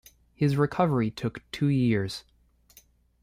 His recovery took two years.